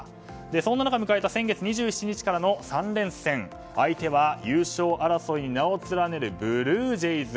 そんな中迎えた先月２７日からの３連戦相手は、優勝争いに名を連ねるブルージェイズ。